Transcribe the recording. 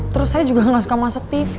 terus saya juga gak suka masuk tv